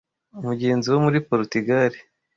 Umugenzi wo muri Porutugali